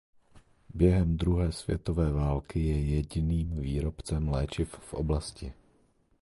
Během druhé světové války je jediným výrobcem léčiv v oblasti.